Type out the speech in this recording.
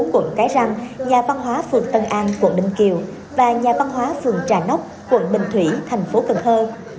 quận cái răng nhà văn hóa phường tân an quận ninh kiều và nhà văn hóa phường trà nóc quận bình thủy thành phố cần thơ